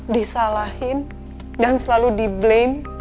disalahin dan selalu diblame